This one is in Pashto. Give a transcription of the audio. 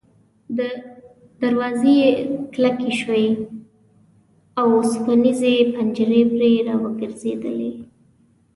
دروازې یې کلکې شوې وې او اوسپنیزې پنجرې پرې را ګرځېدلې وې.